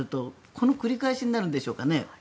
この繰り返しになるんでしょうかね。